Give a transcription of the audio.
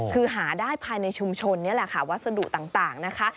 คือหาได้ภายในชุมชนนี่แหละค่ะวัสดุต่างนะคะ